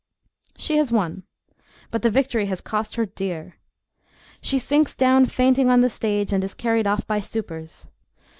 She has won, but the victory has cost her dear. She sinks down fainting on the stage and is carried off by supers.